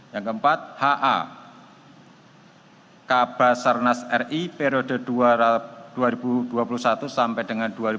yang keempat ha kabasarnas ri periode dua ribu dua puluh satu sampai dengan dua ribu dua puluh